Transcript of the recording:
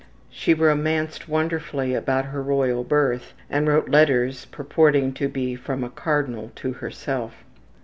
She romanced wonderfully about her royal birth and wrote letters purporting to be from a cardinal to herself.